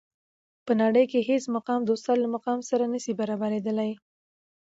په نړۍ کي هیڅ مقام د استاد له مقام سره نسي برابري دلای.